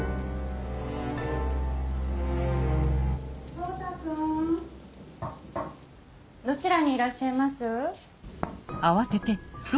・蒼汰くん・どちらにいらっしゃいます？